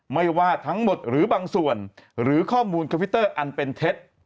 ไม่ว่าทั้งหมดหรือบางส่วนหรือข้อมูลคอมพิวเตอร์อันเป็นเท็จ